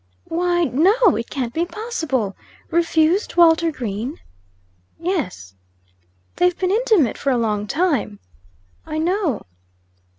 "Why, no! It can't be possible! Refused Walter Green?" "Yes." "They've been intimate for a long time." "I know."